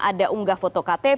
ada unggah fotokatal